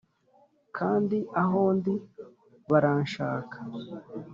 kandi aho ndi baranshaka